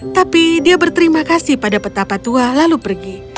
tapi dia berterima kasih pada peta patua lalu pergi